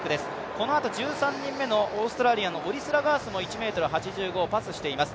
このあと１３人目のオーストラリアのオリスラガースも１ｍ８５をパスしています。